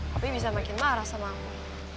tapi bisa makin marah sama aku